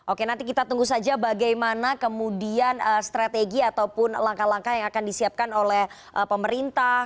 oke nanti kita tunggu saja bagaimana kemudian strategi ataupun langkah langkah yang akan disiapkan oleh pemerintah